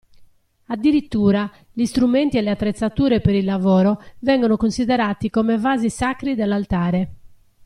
Addirittura, gli strumenti e le attrezzature per il lavoro vengono considerati come vasi sacri dell'altare.